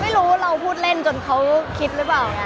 มันเป็นเรื่องน่ารักที่เวลาเจอกันเราต้องแซวอะไรอย่างเงี้ย